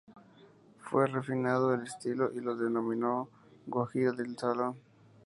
Fue refinando el estilo y lo denominó "guajira de salón".